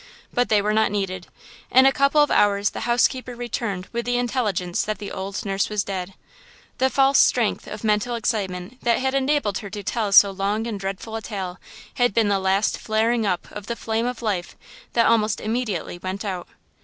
But they were not needed. In a couple of hours the housekeeper returned with the intelligence that the old nurse was dead. The false strength of mental excitement that had enabled her to tell so long and dreadful a tale had been the last flaring up of the flame of life that almost immediately went out.